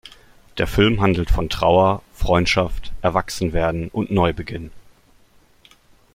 Der Film handelt von Trauer, Freundschaft, Erwachsenwerden und Neubeginn.